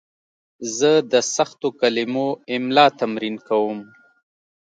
زه د سختو کلمو املا تمرین کوم.